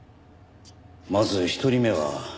まず１人目は。